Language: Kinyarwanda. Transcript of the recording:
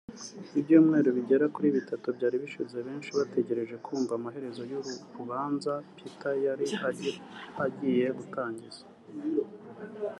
Ibyumweru bigera kuri bitatu byari bishize benshi bategereje kumva amaherezo y’uru rubanza Peter yari agiye gutangiza